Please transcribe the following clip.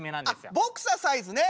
あっボクササイズね。